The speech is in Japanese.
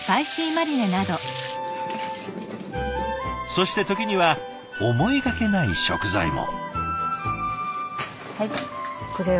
そして時には思いがけない食材も。